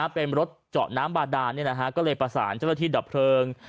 เป็นรถเจาะน้ำบาดานก็เลยประสานเจ้าหน้าที่ดับเพลิง